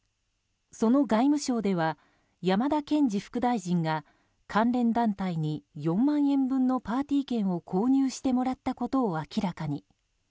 その外務省では山田賢司副大臣が関連団体に４万円分のパーティー券を購入してもらったことを明らかに。